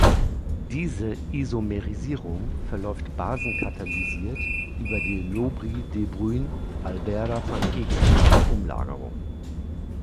Diese Isomerisierung verläuft basen-katalysiert über die Lobry-de-Bruyn-Alberda-van-Ekenstein-Umlagerung.